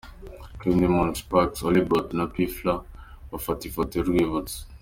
Candy Moon, Spax, Holy Beat na Pfla bafata ifoto y'urwibutso.